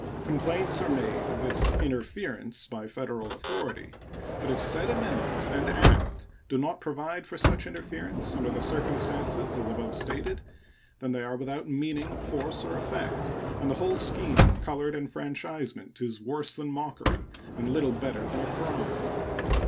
Complaints are made of this interference by Federal authority; but if said amendment and act do not provide for such interference under the circumstances as above stated, then they are without meaning, force, or effect, and the whole scheme of colored enfranchisement is worse than mockery and little better than a crime.